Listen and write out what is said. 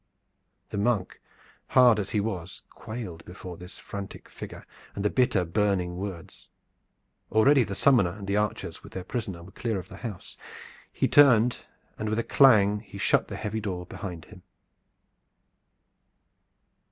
The monk, hard as he was, quailed before the frantic figure and the bitter, burning words. Already the summoner and the archers with their prisoner were clear of the house. He turned and with a clang he shut the heavy door behind him.